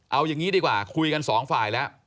เอาอย่างนี้ดีกว่าคุยกันสองฝ่ายแล้ว